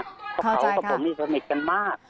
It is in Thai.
เขากับผมนี่สมมติกันมาก